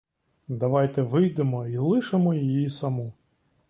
Давайте вийдемо й лишимо її саму.